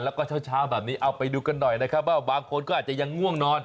แล้วก็เช้าแบบนี้เอาไปดูกันหน่อยนะครับว่าบางคนก็อาจจะยังง่วงนอน